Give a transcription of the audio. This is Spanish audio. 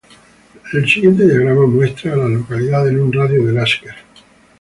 El siguiente diagrama muestra a las localidades en un radio de de Lasker.